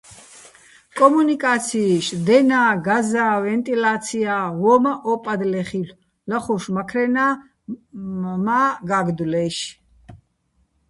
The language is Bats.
კომუნიკაციიშ: დენა, გაზა, ვენტილა́ცია - ვო́მაჸ ო პადლე ხილ'ო̆, ლახუშ, მაქრენა მა́ გა́გდუჲლაჲში̆.